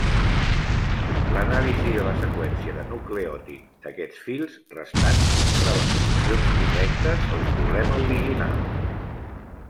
L'anàlisi de la seqüència de nucleòtid d'aquests fils restants mostrava solucions 'correctes' al problema original.